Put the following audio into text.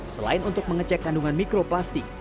selain untuk mengecek kandungan mikroplastik